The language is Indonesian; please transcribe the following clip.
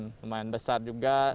nah pribadi lumayan besar juga